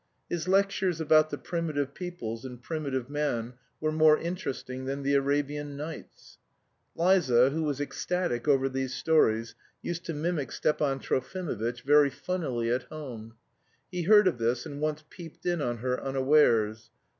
His lectures about the primitive peoples and primitive man were more interesting than the Arabian Nights. Liza, who was ecstatic over these stories, used to mimic Stepan Trofimovitch very funnily at home. He heard of this and once peeped in on her unawares.